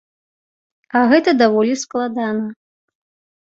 А гэта даволі складана.